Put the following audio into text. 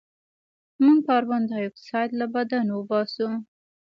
موږ کاربن ډای اکسایډ له بدن وباسو